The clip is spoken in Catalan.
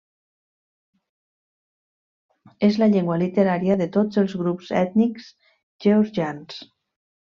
És la llengua literària de tots els grups ètnics georgians.